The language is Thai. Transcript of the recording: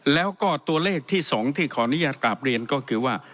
แล้วก็ตัวเลขที่๒ที่ขออนุญาตกราบเรียนก็คือว่า